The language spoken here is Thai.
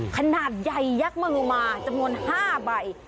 ขนาดใหญ่ยักษ์มูมาจำนวน๕ใบ